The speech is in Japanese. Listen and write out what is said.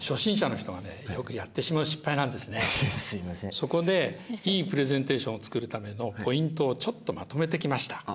そこでいいプレゼンテーションを作るためのポイントをちょっとまとめてきました。